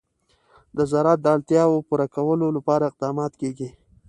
د زراعت د اړتیاوو پوره کولو لپاره اقدامات کېږي.